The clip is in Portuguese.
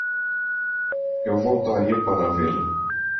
Eu voltaria para vê-lo!